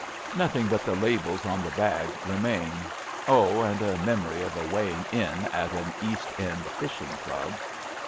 Nothing but the labels on the bag remain — oh, and a memory of a weighing in at an East End fishing club.